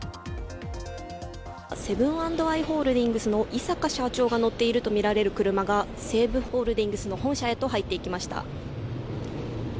セブン＆アイ・ホールディングスの井阪社長が乗っているとみられる車が西武ホールディングスの本社へと入っていきました。